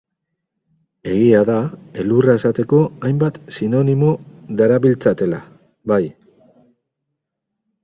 Egia da elurra esateko hainbat sinonimo darabiltzatela, bai.